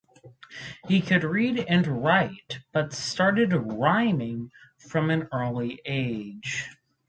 He could read and write but started rhyming from an early age.